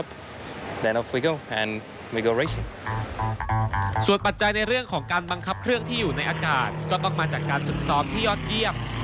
เปรียบเสมือนแขนขาที่สำคัญของนักบิน